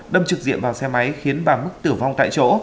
đâm trực diện vào xe máy khiến bà mức tử vong tại chỗ